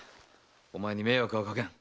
お前に迷惑はかけん。